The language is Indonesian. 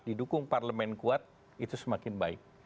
didukung parlemen kuat itu semakin baik